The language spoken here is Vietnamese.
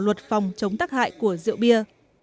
luật phòng chống tắc hại của rượu bia